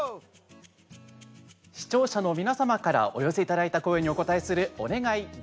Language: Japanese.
視聴者の皆様からお寄せいただいた声にお応えする「おねがい！